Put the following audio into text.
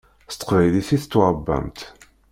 S teqbaylit i tettwaṛebbamt.